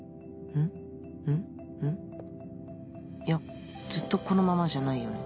いやずっとこのままじゃないよね？